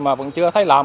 mà vẫn chưa thấy làm